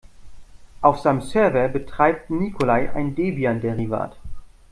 Auf seinem Server betreibt Nikolai ein Debian-Derivat.